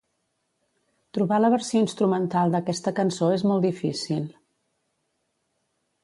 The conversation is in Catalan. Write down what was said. Trobar la versió instrumental d'aquesta cançó és molt difícil.